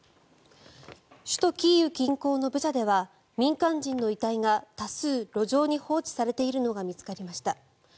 首都キーウ近郊のブチャでは民間人の遺体が多数、路上に放置されているのが見つかりました。